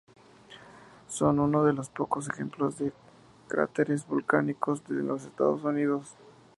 Son uno de los pocos ejemplos de cráteres volcánicos en los Estados Unidos.